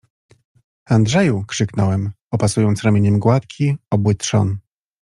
— Andrzeju! — krzyknąłem, opasując ramieniem gładki, obły trzon.